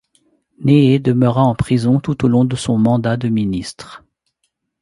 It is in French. Ne'e demeura en prison tout au long de son mandat de ministre.